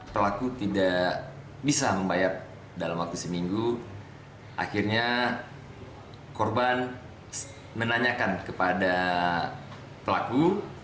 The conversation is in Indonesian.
pelaku tidak bisa membayar dalam waktu seminggu akhirnya korban menanyakan kepada pelaku